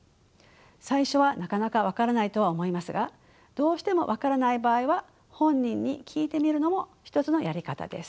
最初はなかなか分からないとは思いますがどうしても分からない場合は本人に聞いてみるのも一つのやり方です。